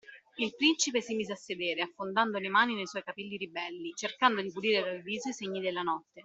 Il principe si mise a sedere, affondando le mani nei suoi capelli ribelli, cercando di pulire dal viso i segni della notte.